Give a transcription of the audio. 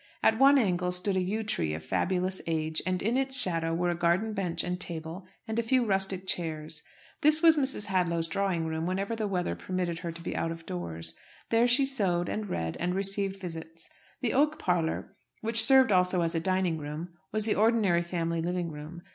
At one angle stood a yew tree of fabulous age, and in its shadow were a garden bench and table, and a few rustic chairs. This was Mrs. Hadlow's drawing room whenever the weather permitted her to be out of doors. There she sewed, and read, and received visits. The oak parlour, which served also as a dining room, was the ordinary family living room.